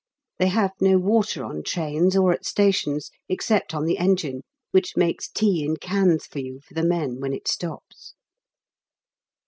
They have no water on trains or at stations, except on the engine, which makes tea in cans for you for the men when it stops.